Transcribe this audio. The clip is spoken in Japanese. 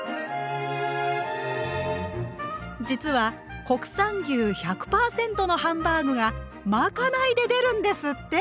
実は国産牛１００％のハンバーグがまかないで出るんですって！